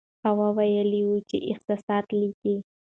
هوا ویلي وو چې احساسات لیکي.